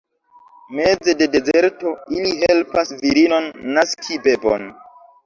Meze de dezerto, ili helpas virinon naski bebon.